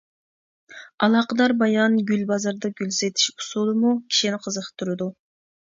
ئالاقىدار بايان گۈل بازىرىدا گۈل سېتىش ئۇسۇلىمۇ كىشىنى قىزىقتۇرىدۇ.